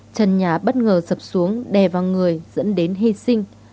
trần nhà bất ngờ sập xuống đè vào người dẫn đến hy sinh